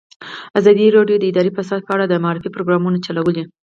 ازادي راډیو د اداري فساد په اړه د معارفې پروګرامونه چلولي.